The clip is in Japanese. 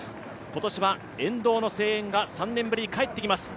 今年は沿道の声援が３年ぶりに帰ってきます。